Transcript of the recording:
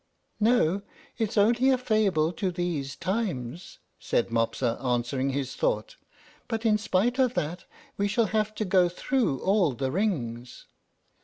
"No, it's only a fable to these times," said Mopsa, answering his thought; "but in spite of that we shall have to go through all the rings."